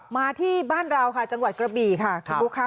มาที่บ้านเราค่ะจังหวัดกระบี่ค่ะคุณบุ๊คค่ะ